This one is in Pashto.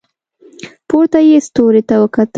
پورته یې ستوري ته وکتل.